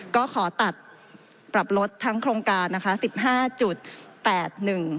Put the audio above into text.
ก็ขอตัดปรับลดทั้งโครงการ๑๕๘๑ล้านบาท